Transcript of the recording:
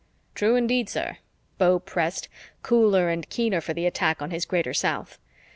"True indeed, sir," Beau pressed, cooler and keener for the attack on his Greater South.